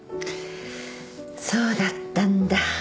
そうだったんだ。